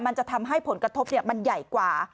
มันจะทำให้ผลกระทบมันใหญ่กว่า